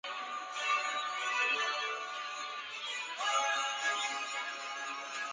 粗体表示冠军歌